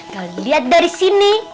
kau lihat dari sini